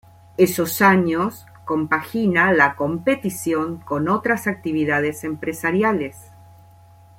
Esos años compagina la competición con otras actividades empresariales.